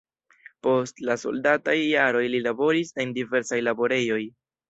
Post la soldataj jaroj li laboris en diversaj laborejoj.